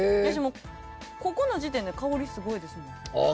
ここの時点で香りすごいですもん。